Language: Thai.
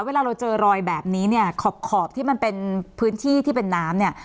เวลาเราเจอรอยแบบนี้เนี่ยขอขอบที่มันเป็นพื้นที่ที่เป็นน้ำเนี่ย